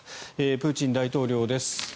プーチン大統領です。